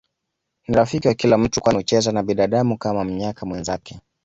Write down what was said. Ni rafiki wa kila mtu kwani hucheza na binadamu Kama mnyaka mwenzake